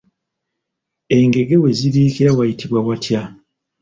Engege we zibiikira wayitibwa watya?